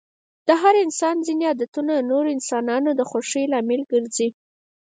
د هر انسان ځيني عادتونه د نورو انسانانو د خوښی لامل ګرځي.